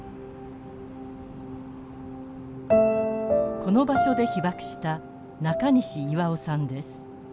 この場所で被爆した中西巖さんです。